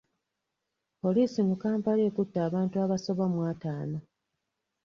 Poliisi mu Kampala ekutte abantu abasoba mu ataano.